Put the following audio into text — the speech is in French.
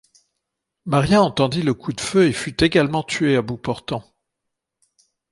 Maria entendit le coup de feu et fut également tuée à bout portant.